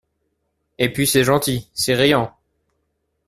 Et puis c’est gentil, c’est riant !